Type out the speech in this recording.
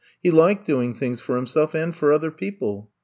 He liked doing things for himself and for other people.